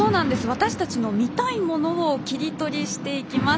私たちの見たいものを切り取りしていきます。